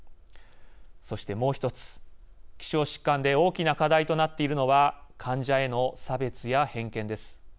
そしてもう１つ、希少疾患で大きな課題となっているのは患者への差別や偏見です。